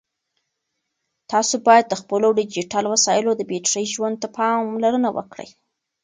تاسو باید د خپلو ډیجیټل وسایلو د بېټرۍ ژوند ته پاملرنه وکړئ.